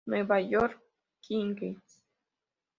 New York Knicks